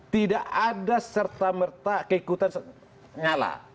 tidak ada serta merta keikutan nyala